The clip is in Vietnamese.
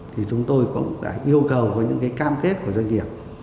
thì chúng tôi cũng đã yêu cầu với những cái cam kết của doanh nghiệp